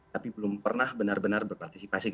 tapi belum pernah benar benar berpartisipasi